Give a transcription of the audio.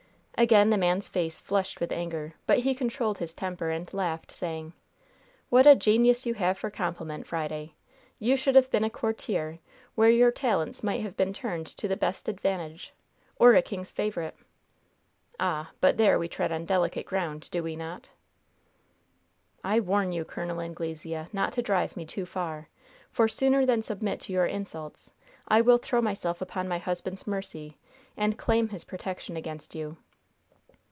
Again the man's face flushed with anger, but he controlled his temper, and laughed, saying: "What a genius you have for compliment, Friday! You should have been a courtier, where your talents might have been turned to the best advantage; or a king's favorite. Ah! but there we tread on delicate ground, do we not?" "I warn you, Col. Anglesea, not to drive me too far! For sooner than submit to your insults, I will throw myself upon my husband's mercy, and claim his protection against you."